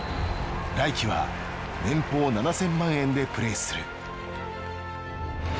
来季は年俸７，０００万円でプレーする。